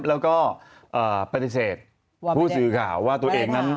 แล้วก็ปฏิเสธผู้สื่อข่าวว่าตัวเองนั้น